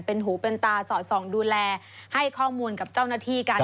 เป็นหูเป็นตาสอดส่องดูแลให้ข้อมูลกับเจ้าหน้าที่กัน